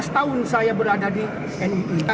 lima belas tahun saya berada di nii